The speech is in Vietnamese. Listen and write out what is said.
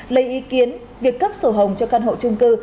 lấy ý kiến việc cấp sổ hồng cho căn hộ trung cư